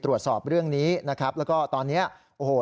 ตรวจสอบเรื่องนี้นะครับแล้วก็ตอนเนี้ยโอ้โห